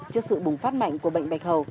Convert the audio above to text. trước sự bùng phát mạnh của bệnh bạch hầu